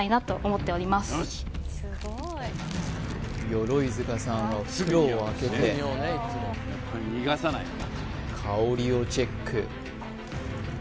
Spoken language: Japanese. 鎧塚さんは袋を開けて香りをチェック